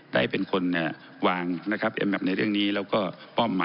ได้เป็นคนวางนะครับใบบ